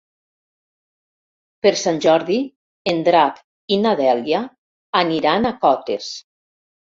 Per Sant Jordi en Drac i na Dèlia aniran a Cotes.